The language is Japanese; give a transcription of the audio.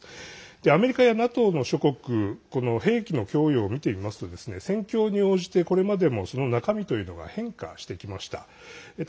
アメリカやＮＡＴＯの諸国兵器の供与を見てみますと戦況に応じて、これまでもその中身というのが変化してきました。